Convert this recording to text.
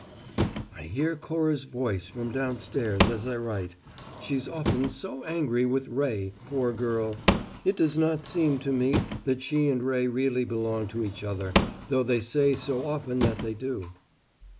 "I hear Cora's voice from downstairs as I write. She's often so angry with Ray, poor girl. It does not seem to me that she and Ray really belong to each other, though they say so often that they do."